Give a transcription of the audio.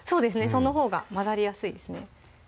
そのほうが混ざりやすいですね